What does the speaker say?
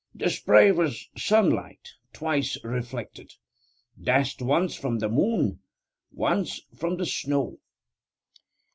The spray was sunlight, twice reflected: dashed once from the moon, once from the snow.